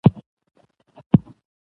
هغه شرکتونه چي د لاندي چارو تجربه